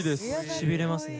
しびれますね。